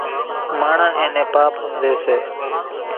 ماڻۿان اين نين پاپ ۿمزي سي۔